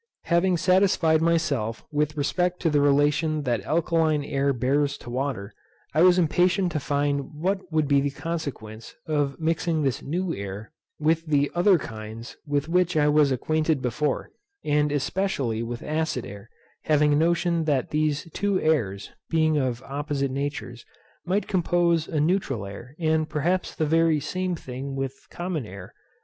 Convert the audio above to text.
Having satisfied myself with respect to the relation that alkaline air bears to water, I was impatient to find what would be the consequence of mixing this new air with the other kinds with which I was acquainted before, and especially with acid air; having a notion that these two airs, being of opposite natures, might compose a neutral air, and perhaps the very same thing with common air.